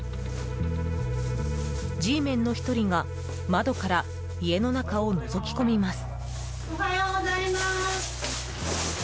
Ｇメンの１人が窓から家の中をのぞき込みます。